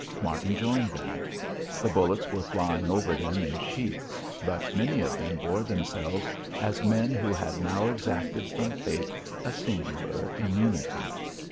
Martin joined them. The bullets were flying over them in sheets, but many of them bore themselves as men who had now exacted from fate a singular immunity.